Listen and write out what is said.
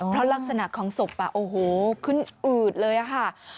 เพราะลักษณะของศพโอ้โหขึ้นอืดเลยค่ะ